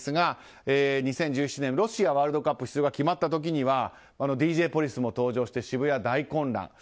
ちなみに、２０１７年ロシアワールドカップの出場が決まった時にはＤＪポリスも登場して渋谷、大混乱。